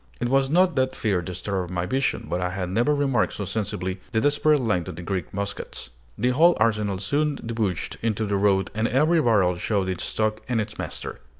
It was not that fear disturbed my vision; but I had never remarked so sensibly the desperate length of the Greek muskets! The whole arsenal soon debouched into the road, and every barrel showed its stock and its master.